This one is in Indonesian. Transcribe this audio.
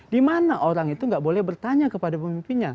di mana orang itu gak boleh bertanya kepada pemimpinnya